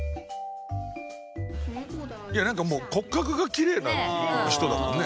いやなんかもう骨格がきれいな人だとね。